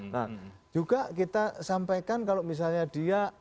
nah juga kita sampaikan kalau misalnya dia